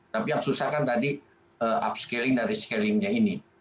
tapi yang susahkan tadi upscaling dan rescaling nya ini